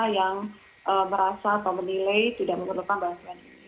yang merasa atau menilai tidak memerlukan bantuan